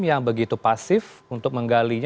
yang begitu pasif untuk menggalinya